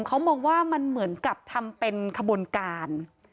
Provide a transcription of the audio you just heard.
เขามองว่ามันเหมือนกับทำเป็นขบวนการ